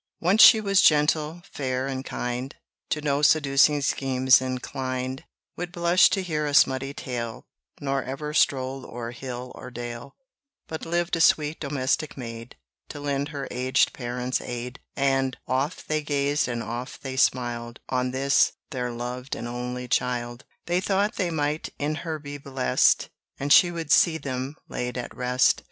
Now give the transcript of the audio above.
Once she was gentle, fair, and kind, To no seducing schemes inclined, Would blush to hear a smutty tale, Nor ever strolled o'er hill or dale, But lived a sweet domestic maid, To lend her aged parents aid And oft they gazed and oft they smiled On this their loved and only child: They thought they might in her be blest, And she would see them laid at rest.